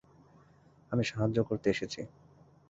আমি সাহায্য করতে এসেছি।